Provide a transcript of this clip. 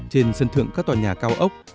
trên sân thượng các tòa nhà cao ốc